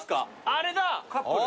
あれだ！